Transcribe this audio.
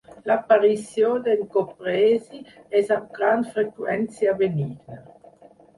L'aparició d'encopresi és amb gran freqüència benigna.